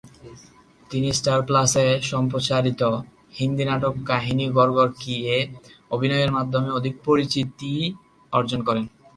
তিনি স্টার প্লাসে সম্প্রচারিত হিন্দি নাটক কাহিনী ঘর ঘর কি-এ অভিনয়ের মাধ্যমে অধিক পরিচিত অর্জন করেন।